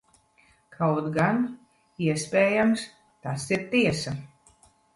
Kaut gan, iespējams, tas ir tiesa.